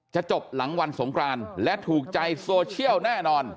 จะจบหลังวันสงครานและถูกใจโซเชียลแน่นอน